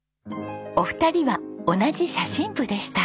お二人は同じ写真部でした。